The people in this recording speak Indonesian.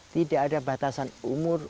tidak ada batasan umur